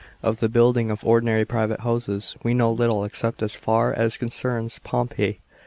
Of the building of ordinary private houses we know little, except as far as concerns Pompeii.